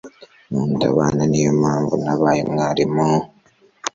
Nkunda abana Niyo mpamvu nabaye umwarimu